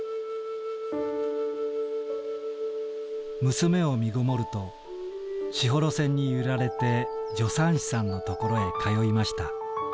「娘を身ごもると士幌線に揺られて助産師さんのところへ通いました。